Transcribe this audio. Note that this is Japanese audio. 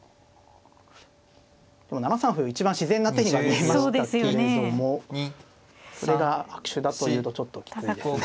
でも７三歩一番自然な手には見えましたけれどもそれが悪手だというとちょっときついですね。